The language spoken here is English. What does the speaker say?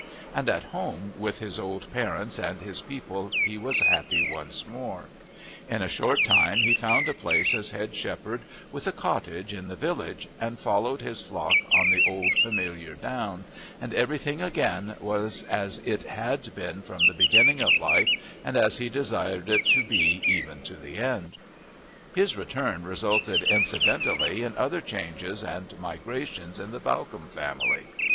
And at home with his old parents and his people he was happy once more; in a short time he found a place as head shepherd, with a cottage in the village, and followed his flock on the old familiar down, and everything again was as it had been from the beginning of life and as he desired it to be even to the end. His return resulted incidentally in other changes and migrations in the Bawcombe family.